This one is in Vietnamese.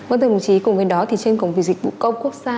vâng thưa đồng chí cùng với đó thì trên cổng dịch vụ công quốc gia